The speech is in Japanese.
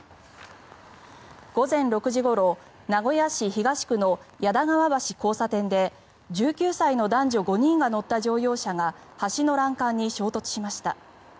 午前６時ごろ名古屋市東区の矢田川橋交差点で１９歳の男女５人が乗った乗用車が橋の欄干に衝突しました。